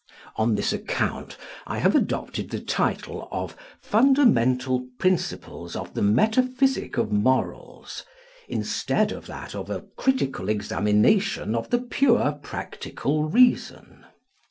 On this account I have adopted the title of Fundamental Principles of the Metaphysic of Morals instead of that of a Critical Examination of the pure practical reason.